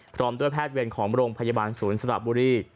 พร้อมด้วยแพทย์เวรของโรงพยาบาลศูนย์สระบุรี